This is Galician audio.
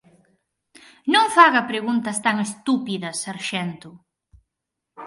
Non faga preguntas tan estúpidas, sarxento!